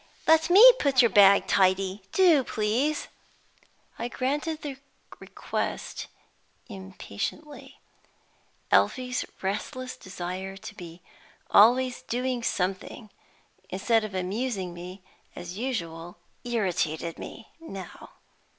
"Let me put your bag tidy. Do, please!" I granted the request impatiently. Elfie's restless desire to be always doing something, instead of amusing me, as usual, irritated me now.